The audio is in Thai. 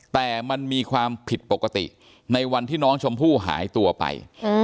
แต่มันมีความผิดปกติในวันที่น้องชมพู่หายตัวไป